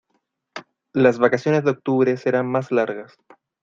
Las vacaciones de octubre serán más largas.